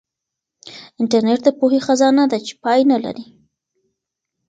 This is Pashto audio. انټرنیټ د پوهې خزانه ده چې پای نه لري.